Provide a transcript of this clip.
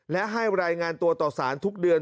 และให้รายงานตัวต่อสารทุกเดือน